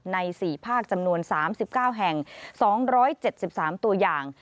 ๔ภาคจำนวน๓๙แห่ง๒๗๓ตัวอย่าง